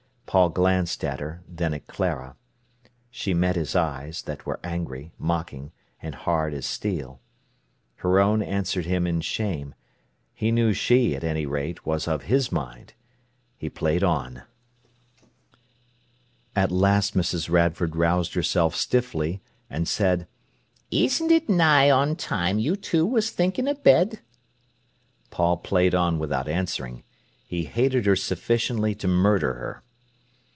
Paul glanced at her, then at Clara. She met his eyes, that were angry, mocking, and hard as steel. Her own answered him in shame. He knew she, at any rate, was of his mind. He played on. At last Mrs. Radford roused herself stiffly, and said: "Isn't it nigh on time you two was thinking o' bed?" Paul played on without answering. He hated her sufficiently to murder her.